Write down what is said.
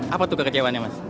apa tuh kekecewaannya mas